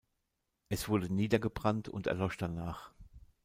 Es wurde niedergebrannt und erlosch danach.